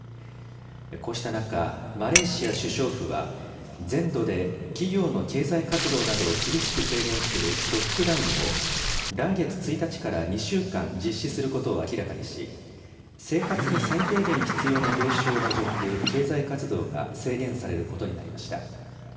こうした中、マレーシア首相府は全土で企業の経済活動などを厳しく制限するロックダウンを来月１日から２週間実施することを明らかにし生活に最低限必要な業種を除く経済活動が制限されることになりました。